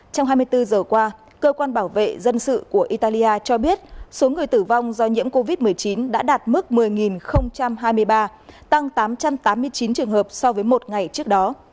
trong hai mươi bốn giờ qua cơ quan bảo vệ dân sự của italia cho biết số người tử vong do nhiễm covid một mươi chín đã đạt mức một mươi hai mươi ba tăng tám trăm tám mươi chín trường hợp so với một ngày trước đó